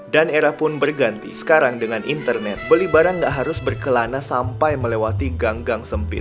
dan era pun berganti sekarang dengan internet beli barang nggak harus berkelana sampai melewati gang gang sempit